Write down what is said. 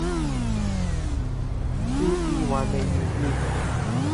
故事還未完結